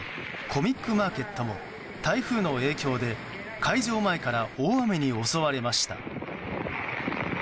コミックマーケットも台風の影響で開場前から大雨に襲われました。